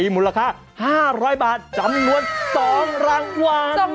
มูลค่า๕๐๐บาทจำนวน๒รางวัล